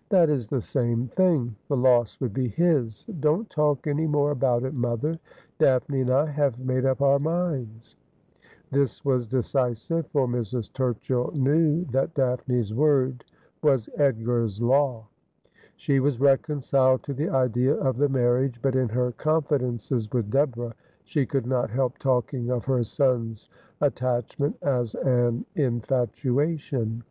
' That is the same thing. The loss would be his. Don't talk any more about it, mother ; Daphne and I have made up our minds.' This was decisive ; for Mrs. Turchill knew that Daphne's 'Ay Fleth the Time, it wol no Man Abide.' 261 word was Edgar's law. She was reconciled to the idea of the marriage, but in her confidences with Deborah, she could not help talking of her son's attachment as an infatuation.